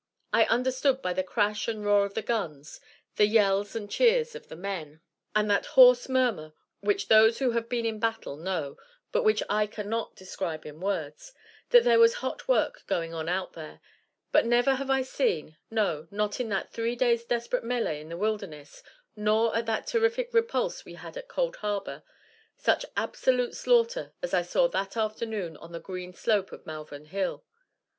I understood by the crash and roar of the guns, the yells and cheers of the men, and that hoarse murmur which those who have been in battle know, but which I cannot describe in words, that there was hot work going on out there; but never have I seen, no, not in that three days' desperate melee at the Wilderness, nor at that terrific repulse we had at Cold Harbor, such absolute slaughter as I saw that afternoon on the green slope of Malvern Hill.